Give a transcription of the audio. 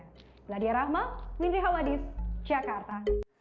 meladia rahma mindri hawadis jakarta